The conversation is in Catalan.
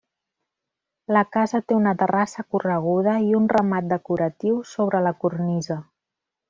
La casa té una terrassa correguda i un remat decoratiu sobre la cornisa.